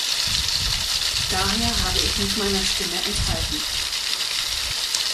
Daher habe ich mich meiner Stimme enthalten.